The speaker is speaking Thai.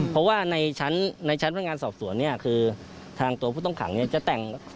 เพราะว่าในชั้นพลังงานสอบสวนทางตัวผู้ต้องขังจะแต่ง